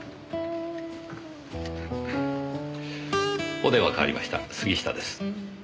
お電話代わりました杉下です。